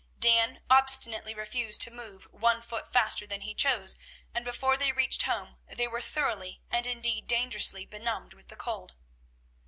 Dan obstinately refused to move one foot faster than he chose, and before they reached home they were thoroughly and, indeed, dangerously benumbed with the cold.